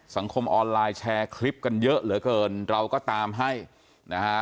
สังคมออนไลน์แชร์คลิปกันเยอะเหลือเกินเราก็ตามให้นะฮะ